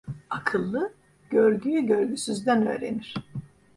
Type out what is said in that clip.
Akıllı görgüyü görgüsüzden öğrenir.